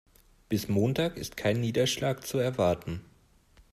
Bis Montag ist kein Niederschlag zu erwarten.